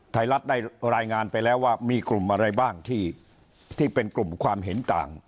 ไทยรัฐได้รายงานไปแล้วว่ามีกลุ่มอะไรบ้างที่เป็นกลุ่มความเห็นต่าง